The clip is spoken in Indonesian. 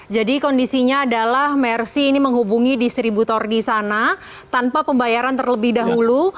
kondisinya adalah mersi ini menghubungi distributor di sana tanpa pembayaran terlebih dahulu